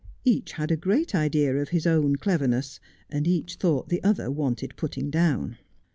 Each had a great idea of his own cleverness, and each thought the other wanted putting down.